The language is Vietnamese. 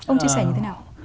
ông chia sẻ như thế nào